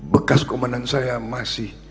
bekas komandan saya masih